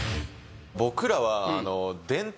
僕らは。